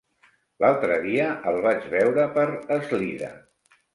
L'altre dia el vaig veure per Eslida.